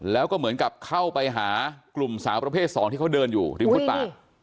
แล้วก็เหมือนกับเข้าไปหากลุ่มสาวประเภทสองที่เขาเดินอยู่ริมฟุตบาท